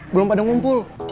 belum pada ngumpul